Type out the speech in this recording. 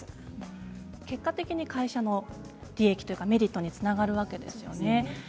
結果的に会社のメリットにつながるわけですよね。